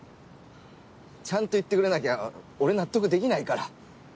ちゃんと言ってくれなきゃ俺納得できないから。